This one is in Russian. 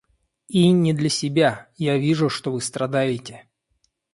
И не для себя, — я вижу, что вы страдаете.